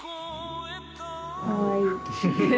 かわいい。